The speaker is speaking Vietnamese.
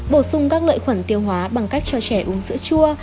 bổ sung các lợi khuẩn tiêu hóa bằng cách cho trẻ uống sữa chua